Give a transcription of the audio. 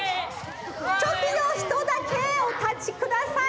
チョキのひとだけおたちください！